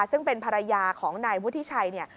ซึ่งเป็นภรรยาของนายวุฒิชัยเนี่ย